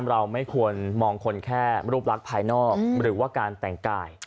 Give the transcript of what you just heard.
เราไม่ควรมองคนแค่รูปลักษณ์ภายนอกหรือว่าการแต่งกาย